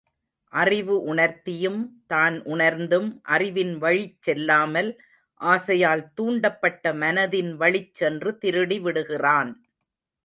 அறிவு உணர்த்தியும், தான் உணர்ந்தும், அறிவின்வழிச் சொல்லாமல், ஆசையால் தூண்டப்பட்ட மனதின் வழிச்சென்று திருடிவிடுகிறான்.